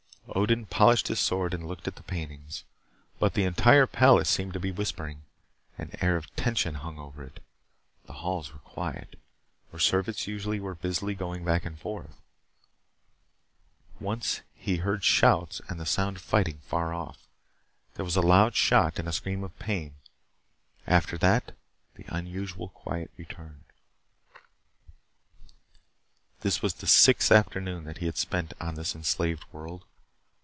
Odin polished his sword and looked at the paintings. But the entire palace seemed to be whispering. An air of tension hung over it. The halls were quiet, where servants usually were busily going back and forth. Once he heard shouts and the sound of fighting far off. There was a loud shot and a scream of pain. After that, the unusual quiet returned. This was the sixth afternoon that he had spent on this enslaved world.